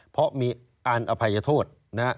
เพราะมีอาร์ณอภัยโทษนะ